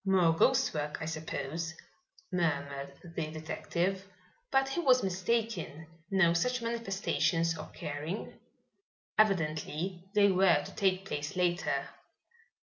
"More ghost work, I suppose," murmured the detective, but he was mistaken, no such manifestations occurring. Evidently they were to take place later.